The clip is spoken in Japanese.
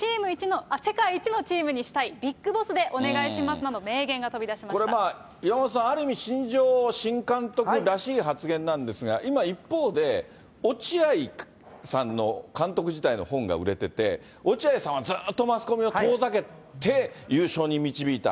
世界一のチームにしたい、ビッグボスでお願いしますなど、これ、岩本さん、ある意味、新庄新監督らしい発言なんですが、今、一方で、落合さんの監督時代の本が売れてて、落合さんはずーっとマスコミを遠ざけて、優勝に導いた。